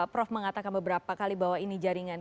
prof mengatakan beberapa kali bahwa ini jaringan